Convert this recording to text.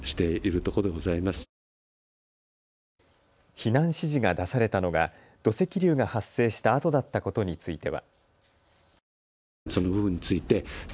避難指示が出されたのが土石流が発生したあとだったことについては。